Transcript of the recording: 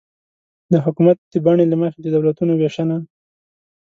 د حکومت د بڼې له مخې د دولتونو وېشنه